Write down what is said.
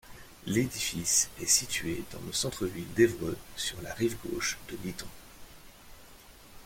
L'édifice est situé dans le centre-ville d'Évreux, sur la rive gauche de l'Iton.